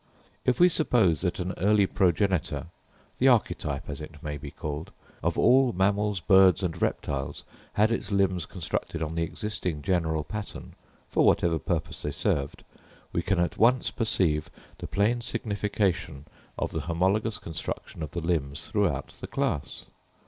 If we suppose that an early progenitor—the archetype, as it may be called—of all mammals, birds and reptiles, had its limbs constructed on the existing general pattern, for whatever purpose they served, we can at once perceive the plain signification of the homologous construction of the limbs throughout the class.